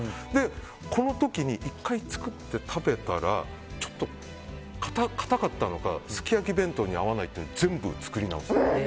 この時に１回作って食べたらちょっと硬かったのかすき焼き弁当に合わないって全部作り直す。